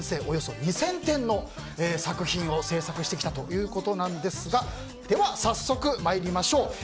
およそ２０００点の作品を制作してきたということですがでは早速、参りましょう。